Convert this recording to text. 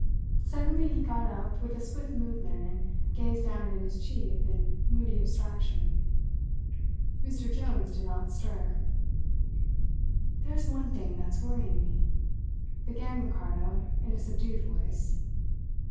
Suddenly he got up with a swift movement and gazed down at his chief in moody abstraction. Mr. Jones did not stir. "There's one thing that's worrying me," began Ricardo in a subdued voice.